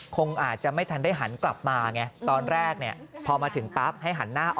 คงอาจจะไม่ทันได้หันกลับมาไง